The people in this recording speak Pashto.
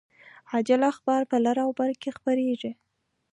عاجل اخبار په لر او بر کې خپریږي